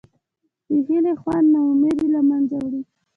د هیلې خوند نا امیدي له منځه وړي.